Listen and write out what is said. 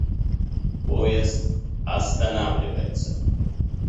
Поезд останавливается.